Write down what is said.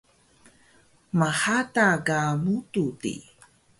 mhada ka mudu di